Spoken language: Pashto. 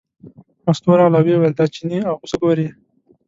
مستو راغله او ویې ویل دا چینی او پسه ګورې.